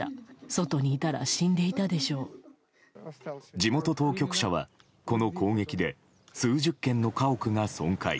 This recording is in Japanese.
地元当局者はこの攻撃で数十軒の家屋が損壊。